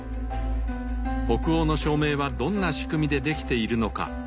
北欧の照明はどんな仕組みでできているのか？